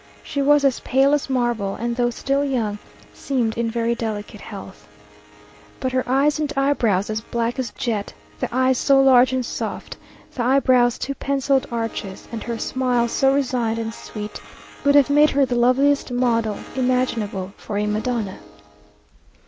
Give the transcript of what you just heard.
She was as pale as marble, and though still young, seemed in very delicate health; but her eyes and eyebrows as black as jet, the eyes so large and soft, the eyebrows two pencilled arches; and her smiles so resigned and sweet, would have made her the loveliest model imaginable for a Madonna.